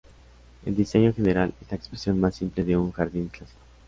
El diseño general es la expresión más simple de un jardín clásico.